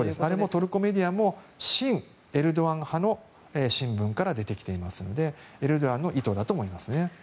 トルコメディアも親エルドアン派の新聞から出ていますのでエルドアンの意図だと思いますね。